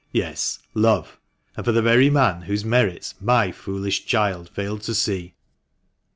"Yes, love, and for the very man whose merits my foolish child failed to see."